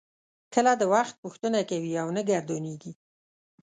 کله د وخت پوښتنه کوي او نه ګردانیږي.